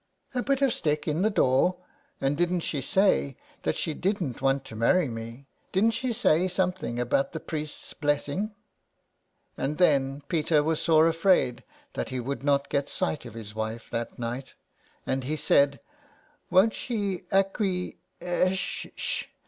" A bit of stick in the door ? And didn't she say that she didn't want to marry me ? Didn't she say something about the priest's blessing?" 79 SOME PARISHIONERS. And then Peter was sore afraid that he would not get sight of his wife that night, and he said :—" Won't she acquie esh sh